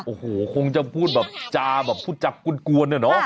โอ้โหคงจะพูดแบบจาแบบพูดจากกวนอะเนาะ